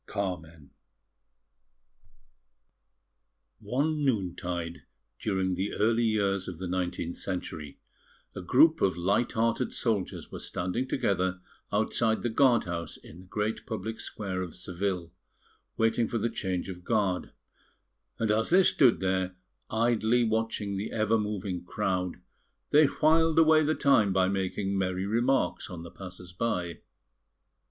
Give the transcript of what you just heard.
CARMEN One noon tide, during the early years of the nineteenth century, a group of light hearted soldiers were standing together outside the guard house in the great public square of Seville waiting for the change of guard; and as they stood there, idly watching the ever moving crowd, they whiled away the time by making merry remarks on the passers by.